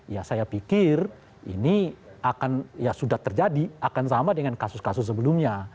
ya saya pikir ini akan ya sudah terjadi akan sama dengan kasus kasus sebelumnya